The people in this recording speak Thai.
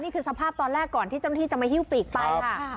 นี่คือสภาพตอนแรกก่อนที่เจ้านที่จะมาหิ้วปีกไปค่ะ